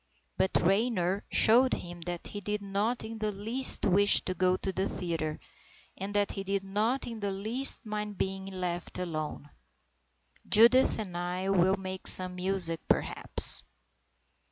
But Raynor showed him that he did not in the least wish to go to the theatre and that he did not in the least mind being left alone. "Judith and I will make some music, perhaps."